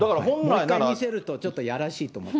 もう一回見せるとちょっとやらしいと思って。